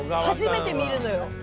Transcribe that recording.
初めて見るのよ。